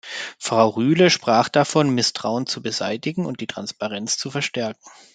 Frau Rühle sprach davon, Misstrauen zu beseitigen und die Transparenz zu verstärken.